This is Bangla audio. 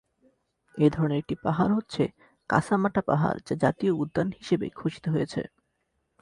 এ ধরনের একটি পাহাড় হচ্ছে কাসামাটা পাহাড় যা জাতীয় উদ্যান হিসেবে ঘোষিত হয়েছে।